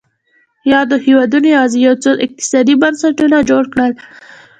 یادو هېوادونو یوازې یو څو اقتصادي بنسټونه جوړ کړل.